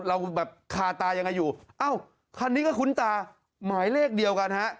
เราแบบคาตายังไงอยู่เอ้าคันนี้ก็คุ้นตาหมายเลขเดียวกันฮะ